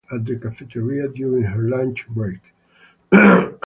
She has lunch at the cafeteria during her lunch break.